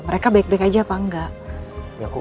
mereka baik baik aja apa enggak